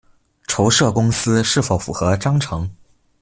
籌設公司是否符合章程